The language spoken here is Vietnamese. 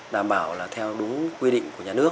đảm bảo là theo đúng quy định của nhà nước